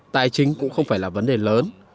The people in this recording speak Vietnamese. tài chính cũng không phải là vấn đề lớn